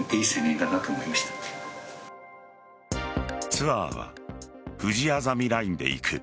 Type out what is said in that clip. ツアーはふじあざみラインで行く！